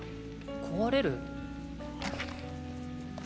壊れる？